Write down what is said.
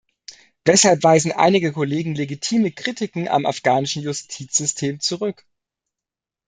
Weshalb weisen einige Kollegen legitime Kritiken am afghanischen Justizsystem zurück?